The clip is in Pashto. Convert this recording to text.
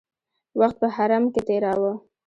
وخت په حرم کې تېراوه.